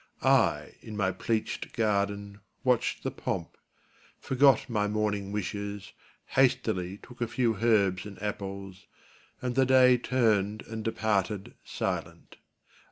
I, in my pleached garden, watched the pomp, Forgot my morning wishes, hastily Took a few herbs and apples, and the Day Turned and departed silent.